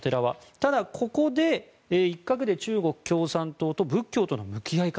ただここで中国共産党と仏教の向き合い方。